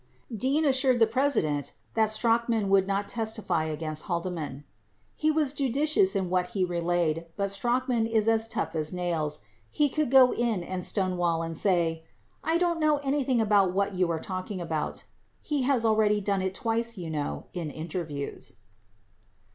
9 Dean assured the President that Strachan would not testify against Halde man. "He was judicious in what he relayed, but Strachan is as tough as nails. He can go in and stonewall, and say, 'I don't know anything about what you are talking about.' He has already done it twice you know, in interviews."